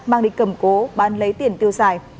mang đi cầm cố bán lấy tiền tiêu xài